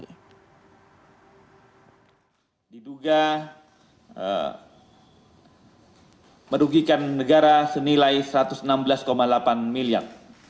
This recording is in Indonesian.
yang diduga merugikan negara senilai rp satu ratus enam belas delapan miliar